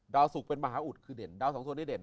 สุกเป็นมหาอุดคือเด่นดาวสองส่วนที่เด่น